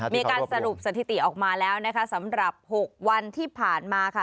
มีการสรุปสถิติออกมาแล้วนะคะสำหรับ๖วันที่ผ่านมาค่ะ